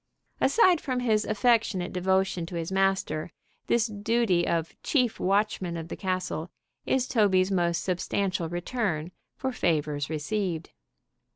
Aside from his affectionate devotion to his master, this duty of "chief watchman of the castle" is Toby's most substantial return for favors received.